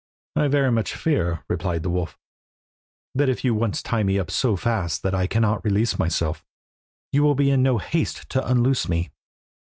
"I very much fear," replied the wolf, "that if you once tie me up so fast that I cannot release myself, you will be in no haste to unloose me.